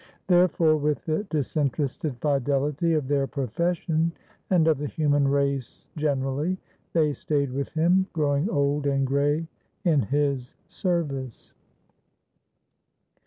Therefore, with the disinterested fidelity of their profession, and of the human race generally, they stayed with him, growing old and gray in his service.